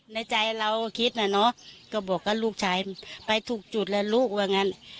ในใจเราก็คิดน่ะเนอะก็บอกว่าลูกชายไปถูกจุดแล้วลูกว่างั้น